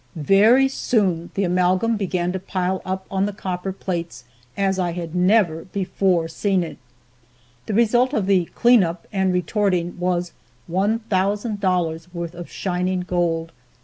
Very soon the amalgam began to pile up on the copper plates as I had never before seen it. The result of the "clean up" and retorting was $1,000 worth of shining gold.